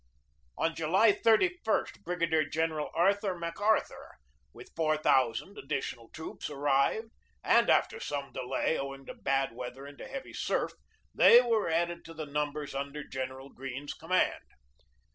On July 31 Brigadier General Arthur MacArthur with four thousand additional troops arrived, and after some delay, owing to bad weather and a heavy surf, they were added to the numbers under General Greene's command.